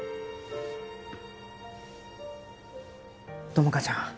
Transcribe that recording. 友果ちゃん